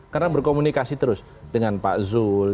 karena berkomunikasi terus dengan pak zul